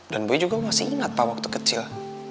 dan bu juga masih ingat pa waktu kecil